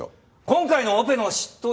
今回のオペの執刀